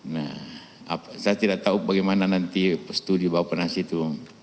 nah saya tidak tahu bagaimana nanti studi bapak penas itu